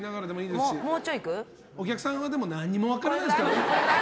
でもお客さんは何も分からないですから。